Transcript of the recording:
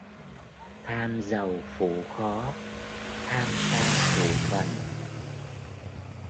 Tham giàu phụ khó. tham sang phụ phần